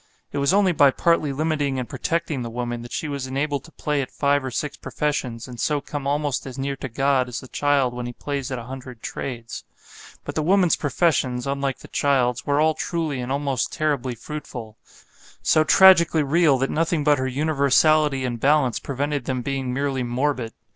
It was only by partly limiting and protecting the woman that she was enabled to play at five or six professions and so come almost as near to God as the child when he plays at a hundred trades. But the woman's professions, unlike the child's, were all truly and almost terribly fruitful; so tragically real that nothing but her universality and balance prevented them being merely morbid.